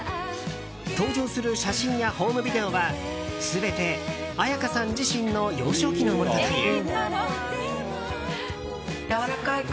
登場する写真やホームビデオは全て絢香さん自身の幼少期のものだという。